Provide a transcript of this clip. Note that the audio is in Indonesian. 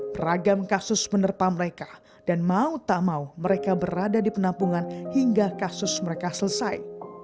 beragam kasus menerpa mereka dan mau tak mau mereka berada di penampungan hingga kasus mereka selesai